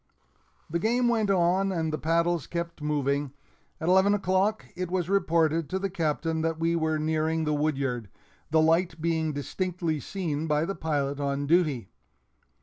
The game went on, and the paddles kept moving. At eleven o'clock it was reported to the Captain that we were nearing the woodyard, the light being distinctly seen by the pilot on duty.